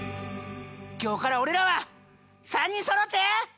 今日から俺らは３人そろって。